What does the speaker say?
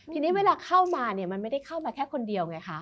ทีนี้เวลาเข้ามาเนี่ยมันไม่ได้เข้ามาแค่คนเดียวไงคะ